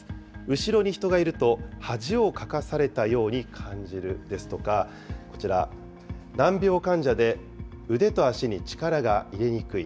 後ろに人がいると、恥をかかされたように感じるですとか、こちら、難病患者で、腕と足に力が入れにくい。